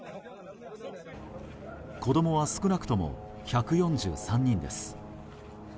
子供は少なくとも１４３人です。